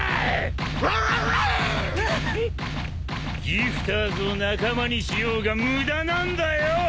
ギフターズを仲間にしようが無駄なんだよ！